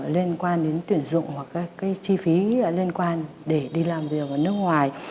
liên quan đến tuyển dụng hoặc các chi phí liên quan để đi làm việc ở nước ngoài